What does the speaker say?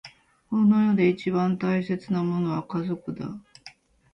この世で一番大切なものは家族だ。